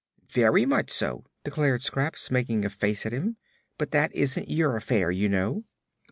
"Very much so," declared Scraps, making a face at him. "But that isn't your affair, you know."